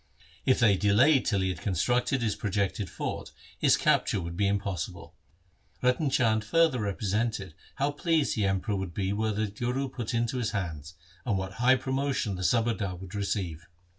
If they delayed till he had constructed his projected fort, his capture would be impossible. Ratan Chand further repre sented how pleased the Emperor would be were the Guru put into his hands, and what high promotion the subadar would receive.